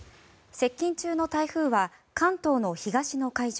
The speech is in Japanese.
接近中の台風は関東の東の海上